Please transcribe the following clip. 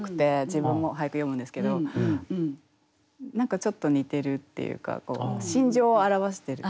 自分も俳句詠むんですけど何かちょっと似てるっていうか心情を表してる。